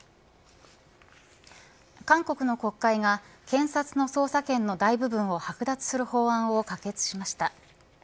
韓国の国会が検察の捜査権の大部分をはく奪する法案を可決しました。